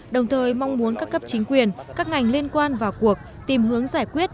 đồng thời mong muốn các cấp chính quyền các ngành liên quan vào cuộc tìm hướng giải quyết